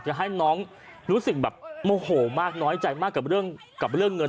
จะให้น้องรู้สึกแบบโมโหมากน้อยใจมากกับเรื่องกับเรื่องเงิน